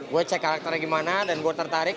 gue cek karakternya gimana dan gue tertarik